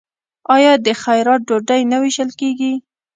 آیا د خیرات ډوډۍ نه ویشل کیږي؟